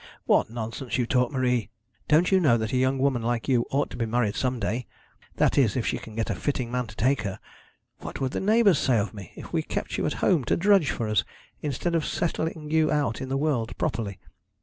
'What nonsense you talk, Marie! Don't you know that a young woman like you ought to be married some day that is if she can get a fitting man to take her? What would the neighbours say of me if we kept you at home to drudge for us, instead of settling you out in the world properly?